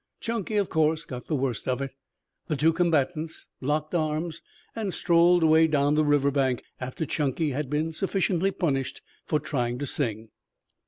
Chunky, of course, got the worst of it. The two combatants locked arms and strolled away down the river bank after Chunky had been sufficiently punished for trying to sing.